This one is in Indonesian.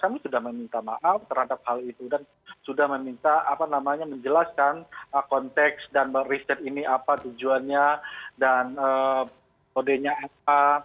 kami sudah meminta maaf terhadap hal itu dan sudah meminta apa namanya menjelaskan konteks dan riset ini apa tujuannya dan kodenya apa